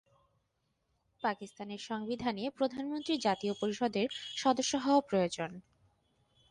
পাকিস্তানের সংবিধানে প্রধানমন্ত্রী জাতীয় পরিষদের সদস্য হওয়া প্রয়োজন।